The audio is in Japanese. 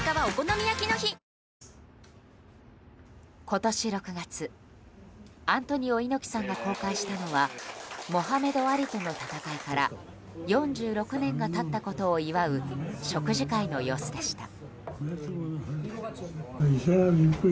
今年６月アントニオ猪木さんが公開したのはモハメド・アリとの戦いから４６年が経ったことを祝う食事会の様子でした。